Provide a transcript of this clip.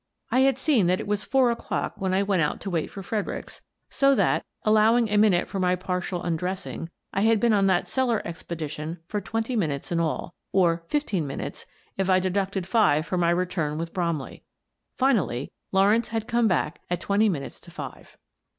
I had seen that it was four o'clock when I went out to wait for Fredericks, so that, allowing a minute for my partial undressing, I had been on that cellar ex pedition for twenty minutes in all — or fifteen minutes, if I deducted five for my return with Brom ley. Finally, Lawrence had come back at twenty minutes to five.